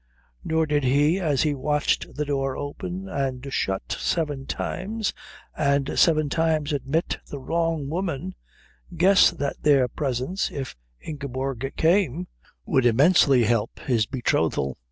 Nor did he, as he watched the door open and shut seven times and seven times admit the wrong woman, guess that their presence, if Ingeborg came, would immensely help his betrothal.